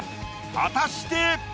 果たして。